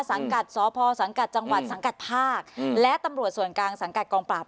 สังกัดสพสังกัดจังหวัดสังกัดภาคและตำรวจส่วนกลางสังกัดกองปราบ